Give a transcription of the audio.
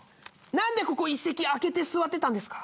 何でここ１席空けて座ってたんですか？